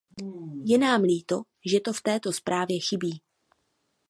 Je nám líto, že to v této zprávě chybí.